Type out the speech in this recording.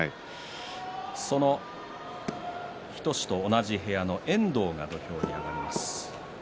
その日翔志と同じ部屋の遠藤が土俵に上がりました。